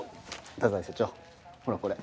太宰社長ほらこれ。